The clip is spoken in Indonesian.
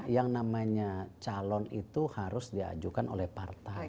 yang namanya calon itu harus diajukan oleh partai